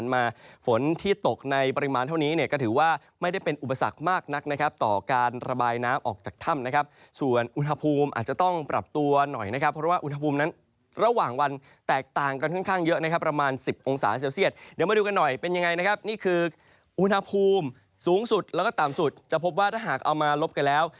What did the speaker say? มาฝนที่ตกในปริมาณเท่านี้เนี่ยก็ถือว่าไม่ได้เป็นอุปสรรคมากนักนะครับต่อการระบายน้ำออกจากถ้ำนะครับส่วนอุณหภูมิอาจจะต้องปรับตัวหน่อยนะครับเพราะว่าอุณหภูมินั้นระหว่างวันแตกต่างกันค่อนข้างเยอะนะครับประมาณ๑๐องศาเซลเซียตเดี๋ยวมาดูกันหน่อยเป็นยังไงนะครับนี่คืออุณหภูมิสูงสุดแล้วก็ต่ำสุดจะพบว่าถ้าหากเอามาลบกันแล้ว